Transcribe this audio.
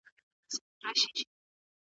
دی پوه نه شو چې دغه هارن چا او ولې وکړ؟